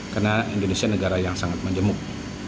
karena indonesia negara yang sangat menjemuk